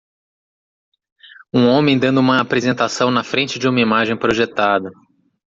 Um homem dando uma apresentação na frente de uma imagem projetada